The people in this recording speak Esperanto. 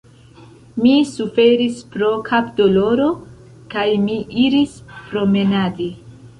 Mi suferis pro kapdoloro, kaj mi iris promenadi.